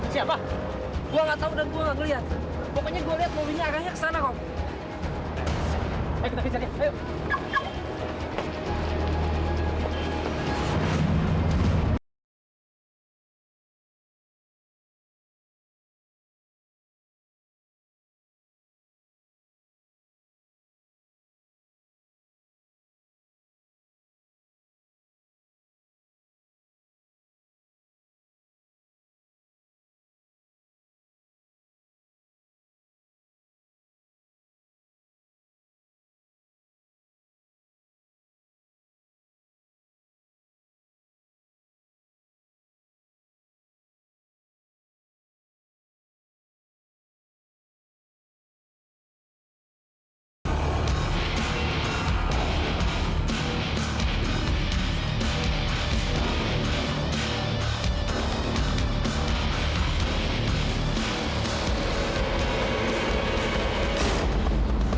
siapa yang culik adek gue hah